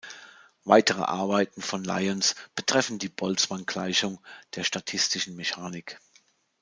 Weitere Arbeiten von Lions betreffen die Boltzmanngleichung der statistischen Mechanik.